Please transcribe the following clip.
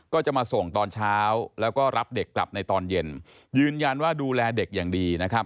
ก็จะมาส่งตอนเช้าแล้วก็รับเด็กกลับในตอนเย็นยืนยันว่าดูแลเด็กอย่างดีนะครับ